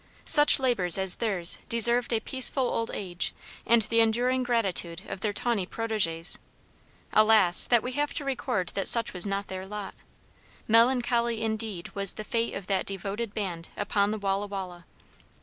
Such labors as theirs deserved a peaceful old age, and the enduring gratitude of their tawny protégés. Alas! that we have to record that such was not their lot! Melancholy indeed was the fate of that devoted band upon the Walla Walla!